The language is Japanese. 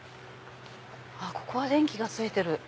ここは電気がついてる。